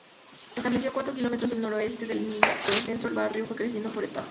Establecido a cuatro kilómetros al noroeste del microcentro, el barrio fue creciendo por etapas.